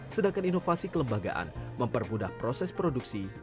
sedangkan inovasi kelembagaan mempermudah proses produksi